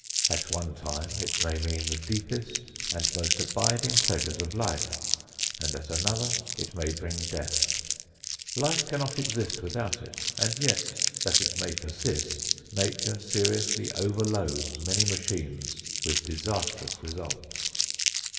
At one time it may mean the deepest and most abiding pleasures of life, and at another it may bring death. Life cannot exist without it, and yet, that it may persist, Nature seriously overloads many machines with disastrous results.